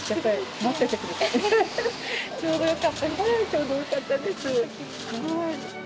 ちょうどよかったです。